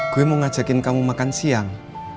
gue mau ngajakin kamu makan siang